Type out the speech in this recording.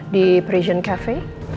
di parisian cafe